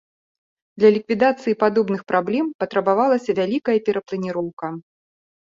Для ліквідацыі падобных праблем патрабавалася вялікая перапланіроўка.